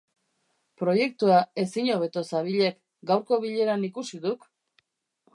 Proiektua ezin hobeto zabilek, gaurko bileran ikusi duk!